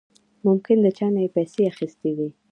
ممکن د چانه يې پيسې اخېستې وي.